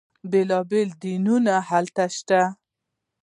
بیلا بیل دینونه هلته شته.